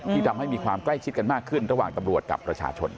ทำให้มีความใกล้ชิดกันมากขึ้นระหว่างตำรวจกับประชาชน